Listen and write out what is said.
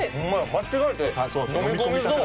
間違えて飲み込みそう。